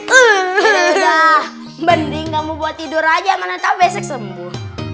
yaudah mending kamu buat tidur aja mana tau besek sembuh